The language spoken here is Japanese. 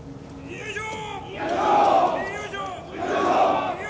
よいしょ！